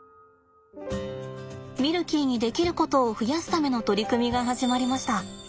ミルキーにできることを増やすための取り組みが始まりました。